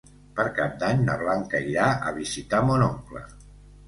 Per Cap d'Any na Blanca irà a visitar mon oncle.